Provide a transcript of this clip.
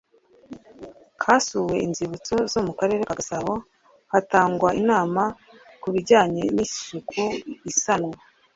Hasuwe inzibutso zo mu Karere ka Gasabo hatangwa inama ku bijyanye n isuku isanwa